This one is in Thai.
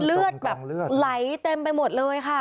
เลือดแบบเลือดไหลเต็มไปหมดเลยค่ะ